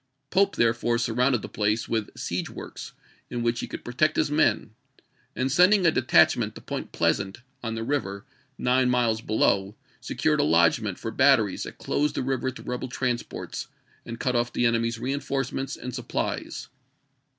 Pope therefore surrounded the place with siege works in which he could protect his men; and sending a detachment to Point Pleasant on the river, nine miles below, secured a lodgment for batteries that closed the river to rebel transports and cut off the enemy's reenforcements and sup plies.